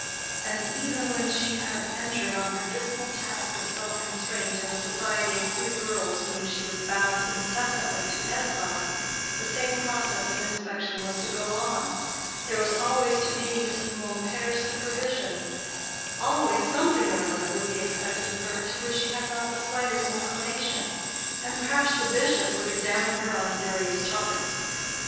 And even when she had entered on her dismal task of self constraint in the society of three girls whom she was bound incessantly to edify, the same process of inspection was to go on: there was always to be Mrs. Mompert's supervision; always something or other would be expected of her to which she had not the slightest inclination; and perhaps the bishop would examine her on serious topics.